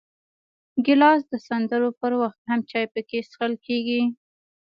ګیلاس د سندرو پر وخت هم چای پکې څښل کېږي.